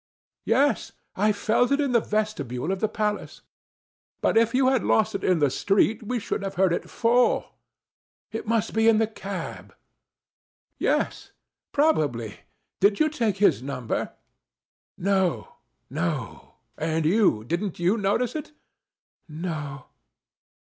"Yes, I felt it in the vestibule of the palace." "But if you had lost it in the street we should have heard it fall. It must be in the cab." "Yes. Probably. Did you take his number?" "No. And you, didn't you notice it?" "No."